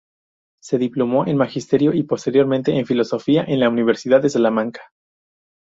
Se diplomó en Magisterio y posteriormente en Filosofía en la Universidad de Salamanca.